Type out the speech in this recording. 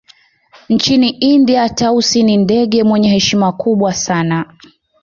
Nchini India Tausi ni ndege mwenye heshima kubwa sana